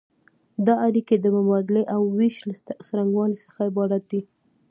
دا اړیکې د مبادلې او ویش له څرنګوالي څخه عبارت دي.